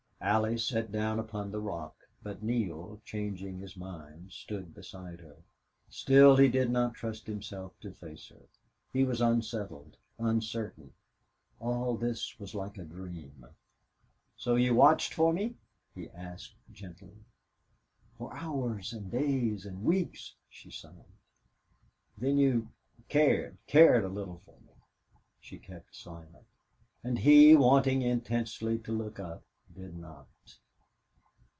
Allie sat down upon the rock, but Neale, changing his mind, stood beside her. Still he did not trust himself to face her. He was unsettled, uncertain. All this was like a dream. "So you watched for me?" he asked, gently. "For hours and days and weeks," she sighed. "Then you cared cared a little for me?" She kept silence. And he, wanting intensely to look up, did not.